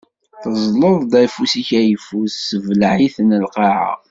Teẓẓleḍ-d afus-ik ayeffus, tessebleɛ-iten lqaɛa.